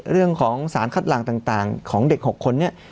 เรื่องของสารคัดหลังต่างของเด็ก๖คนนี้